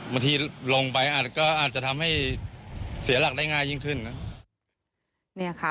บางทีลงไปอาจจะทำให้เสียหลักได้ง่ายยิ่งขึ้นนะ